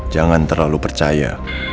jangan terlalu percaya